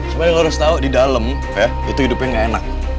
cuman lo harus tau di dalam ya itu hidupnya gak enak